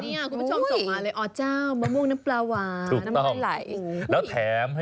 นี่คุณผู้ชมส่งมาเลยอ๋อเจ้ามะม่วงน้ำปลาหวาน